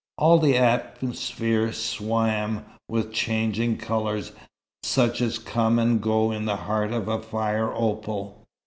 All the atmosphere swam with changing colours, such as come and go in the heart of a fire opal.